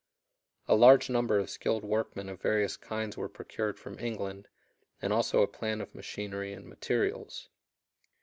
A large number of skilled workmen of various kinds were procured from England, and also a plant of machinery and materials.